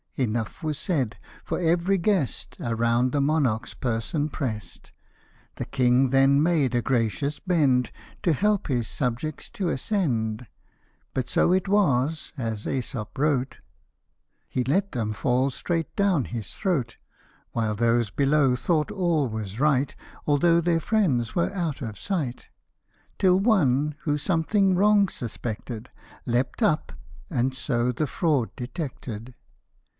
Enough was said, for every guest Around the monarch's person prest. The king then made a gracious bend, To help his subjects to ascend ; But so it was, as JEsop wrote, He let them fall straight down his throat ; While those below thought all was right, Although their friends were out of sight ; Till one, who something wrong suspected, Leap'd up, and so the fraud detected.